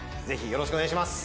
よろしくお願いします。